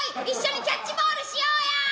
一緒にキャッチボールしようや！」